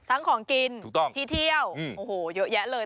ของกินที่เที่ยวโอ้โหเยอะแยะเลย